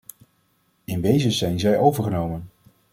In wezen zijn zij overgenomen.